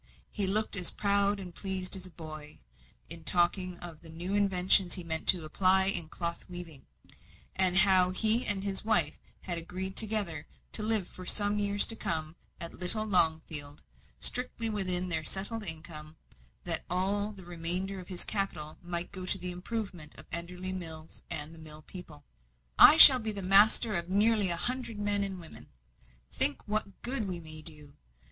He looked as proud and pleased as a boy, in talking of the new inventions he meant to apply in cloth weaving; and how he and his wife had agreed together to live for some years to come at little Longfield, strictly within their settled income, that all the remainder of his capital might go to the improvement of Enderley Mills and mill people. "I shall be master of nearly a hundred, men and women. Think what good we may do!